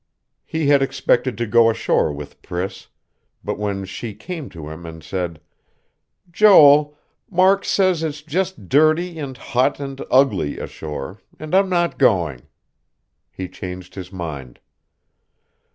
He had expected to go ashore with Priss; but when she came to him and said: "Joel, Mark says it's just dirty and hot and ugly, ashore, and I'm not going," he changed his mind.